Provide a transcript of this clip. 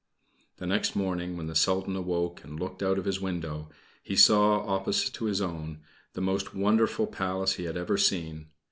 The next morning when the Sultan awoke and looked out of his window, he saw, opposite to his own, the most wonderful Palace he had ever seen.